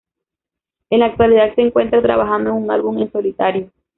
En la actualidad se encuentra trabajando en un álbum en solitario.